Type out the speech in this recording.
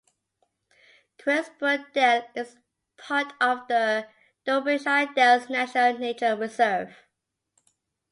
Cressbrook Dale is part of the Derbyshire Dales National Nature Reserve.